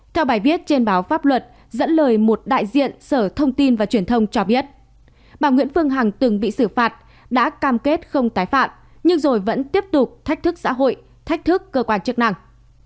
theo bài viết trên báo pháp luật dẫn lời một đại diện sở thông tin và truyền thông cho biết bà nguyễn phương hằng từng bị xử phạt đã cam kết không tái phạm nhưng rồi vẫn tiếp tục thách thức xã hội thách thức cơ quan chức năng